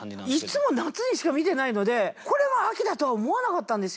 いつも夏にしか見てないのでこれが秋だとは思わなかったんですよ。